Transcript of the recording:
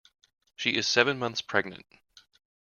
She is seven months pregnant.